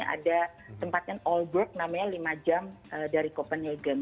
ada tempatnya old brook namanya lima jam dari copenhagen